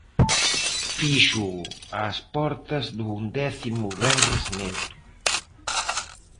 Fíxoo ás portas do undécimo venres negro.